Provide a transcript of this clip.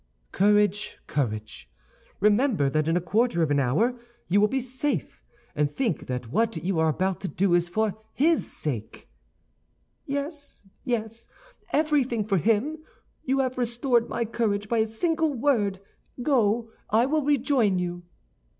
"Courage, courage! remember that in a quarter of an hour you will be safe; and think that what you are about to do is for his sake." "Yes, yes, everything for him. You have restored my courage by a single word; go, I will rejoin you."